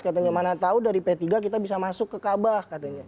katanya mana tahu dari p tiga kita bisa masuk ke kaabah katanya